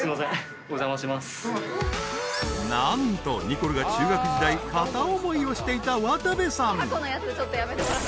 ［何とニコルが中学時代片思いをしていた渡部さん］